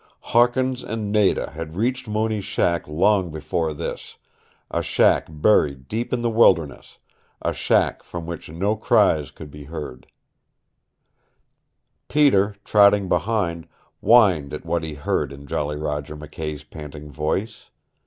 Hawkins and Nada had reached Mooney's shack long before this, a shack buried deep in the wilderness, a shack from which no cries could be heard Peter, trotting behind, whined at what he heard in Jolly Roger McKay's panting voice.